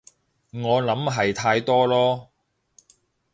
我諗係太多囉